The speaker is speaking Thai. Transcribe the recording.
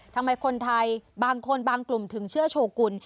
ทำไมคนไทยบางคนบางกลุ่มถึงเชื่อโชกุล